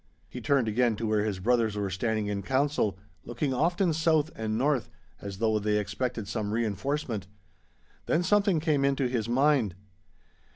He turned again to where his brothers were standing in council, looking often south and north, as though they expected some reinforcement. Then something came into his mind.